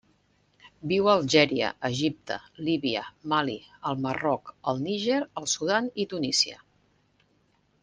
Viu a Algèria, Egipte, Líbia, Mali, el Marroc, el Níger, el Sudan i Tunísia.